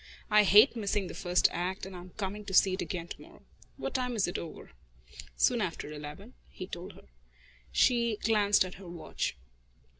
I hate missing the first act, and I'm coming to see it again to morrow. What time is it over?" "Soon after eleven," he told her. She glanced at her watch.